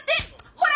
ほら！